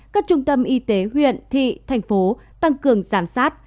các trung tâm y tế huyện thị thành phố tăng cường giám sát